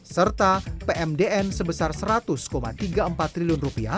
serta pmdn sebesar rp seratus tiga puluh empat triliun